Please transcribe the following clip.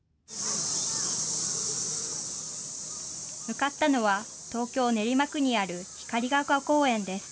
向かったのは東京・練馬区にある光が丘公園です。